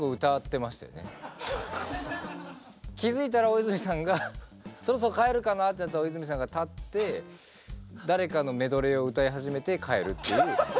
気付いたら大泉さんがそろそろ帰るかなってなったら大泉さんが立って誰かのメドレーを歌い始めて帰るっていう。